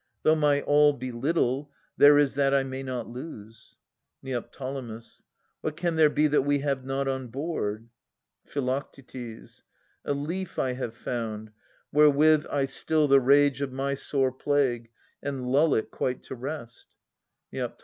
Though my all Be little, there is that I may not lose. Neo. What can there be that we have not on board ? Phi. a leaf I have found, wherewith I still the rage Of my sore plague, and lull it quite to rest. Neo.